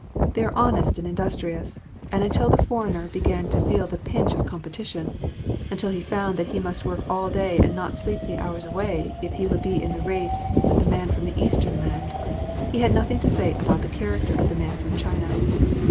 They are honest and industrious, and until the foreigner began to feel the pinch of competition, until he found that he must work all day and not sleep the hours away if he would be in the race with the man from the Eastern land, he had nothing to say about the character of the man from China.